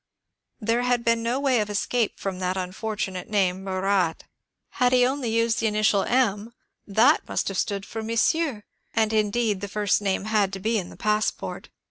There had been no way of escape from that unfortunate name Murat. Had he used only the initial ^^ M '* that must have stood for Monsieur, and indeed the first name had to be in the passport.